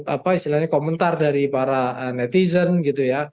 apa istilahnya komentar dari para netizen gitu ya